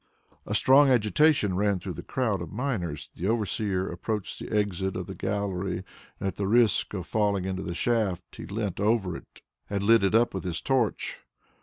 A strong agitation ran through the crowd of miners. The overseer approached the exit of the gallery, and at the risk of falling into the shaft, he leant over and lit it up with his torch.